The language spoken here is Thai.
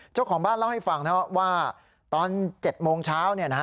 เจ้าของบ้านเล่าให้ฟังนะว่าตอนเจ็ดโมงเช้านะฮะ